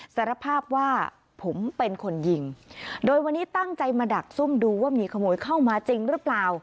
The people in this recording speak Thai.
สารภาพว่าผมเป็นคนยิงโดยวันนี้ตั้งใจมาดักซุ่มดูว่ามีขโมยเข้ามาจริงหรือเปล่า